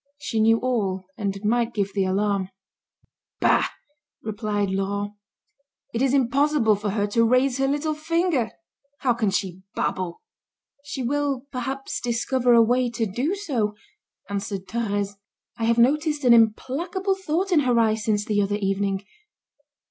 She knew all and might give the alarm. "Bah!" replied Laurent, "it is impossible for her to raise her little finger. How can she babble?" "She will perhaps discover a way to do so," answered Thérèse. "I have noticed an implacable thought in her eyes since the other evening."